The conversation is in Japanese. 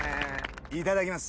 いただきます。